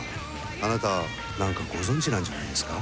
あなた何かご存じなんじゃないですか？